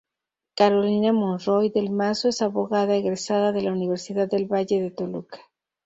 Carolina Monroy del Mazo es abogada egresada de la Universidad del Valle de Toluca.